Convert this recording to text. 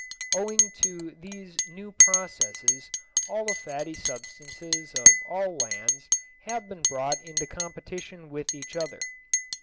Owing to these new processes all the fatty substances of all lands have been brought into competition with each other.